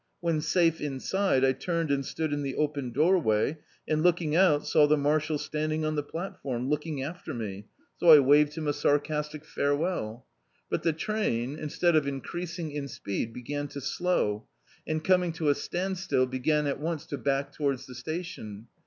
When safe inside, I turned and stood in the open doorway, and looking out, saw the marshal standing on the platform, looking after me, so I waved him a sar t6o] D,i.,.db, Google Law in America castic farewell. But the train, instead of increasing in speed, began to slow, and craning to a standstill, began at once to back towards the station.